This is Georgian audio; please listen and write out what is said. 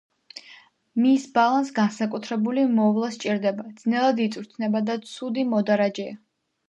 მის ბალანს განსაკუთრებული მოვლა სჭირდება, ძნელად იწვრთნება და ცუდი მოდარაჯეა.